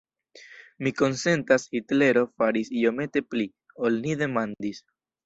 Mi konsentas: Hitlero faris iomete pli, ol ni demandis.